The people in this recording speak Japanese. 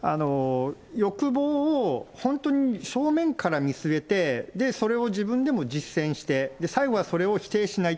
欲望を本当に正面から見据えて、それを自分でも実践して、最後はそれを否定しない。